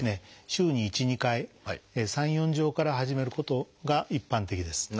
週に１２回３４錠から始めることが一般的です。